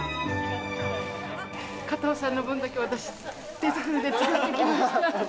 加藤さんの分だけ、私、手作りで作ってきました。